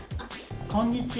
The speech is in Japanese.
こんにちは。